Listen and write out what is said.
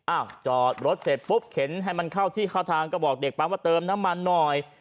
จอดรถเสร็จปุ๊บเข็นให้มันเข้าที่เข้าทางก็บอกเด็กปั๊มว่าเติมน้ำมันหน่อย